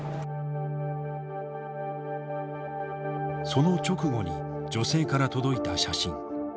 その直後に女性から届いた写真。